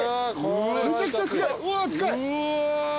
むちゃくちゃ近いうわ近い！